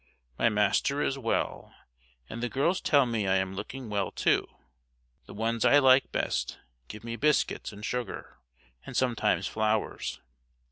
My master is well, and the girls tell me I am looking well, too. The ones I like best give me biscuits and sugar, and sometimes flowers.